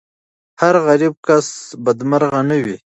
هر غریب کس بدمرغه نه وي.